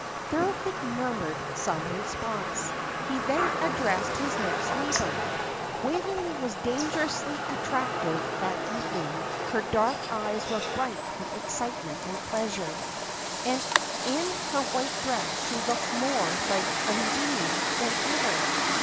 Thorold murmured some response. Then he addressed his next neighbour. Waveney was dangerously attractive that evening; her dark eyes were bright with excitement and pleasure, and in her white dress she looked more like Undine than ever.